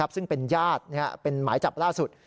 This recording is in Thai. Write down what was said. ซึ่งเป็นญาติเป็นหมายจับล่าสุด